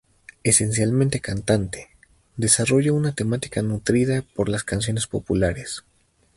Esencialmente "cantante", desarrolla una temática nutrida por las canciones populares.